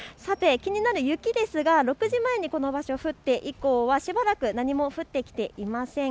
気になる雪ですが６時前にこの場所、降って以降はしばらく何も降ってきていません。